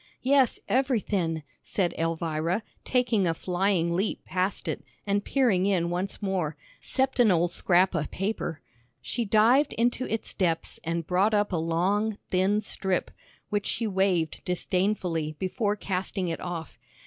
"Yes, everythin'," said Elvira, taking a flying leap past it, and peering in once more, "'cept an old scrap o' paper." She dived into its depths and brought up a long, thin strip, which she waved disdainfully before casting it off.